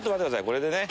これでね。